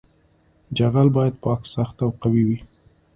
جغل باید پاک سخت او قوي وي